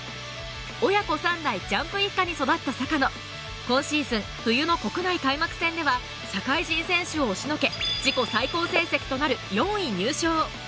親子３代ジャンプ一家に育った坂野今シーズン、冬の国内開幕戦では社会人選手を押しのけ、自己最高成績となる４位入賞。